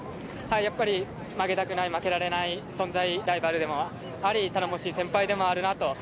やっぱり負けたくない、負けられない存在でもあるし頼もしい先輩でもあるなと。